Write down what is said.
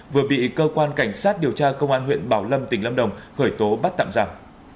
vừa bị cơ quan cảnh sát điều tra công an huyện bảo lâm tỉnh lâm đồng khởi tố bắt tạm giả